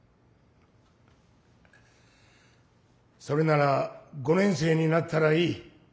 それなら５年生になったらいい。